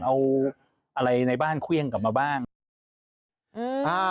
เอาอะไรในบ้านเควี้ยงกลับมาบ้าง